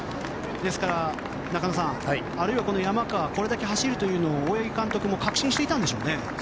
ですから、中野さん山川がこれだけ走るのを大八木監督も確信していたんでしょうね。